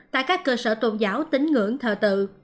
tại các cơ sở tôn giáo tính ngưỡng thờ tự